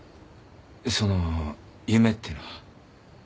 その夢ってのは？